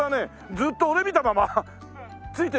ずっと俺見たままついて。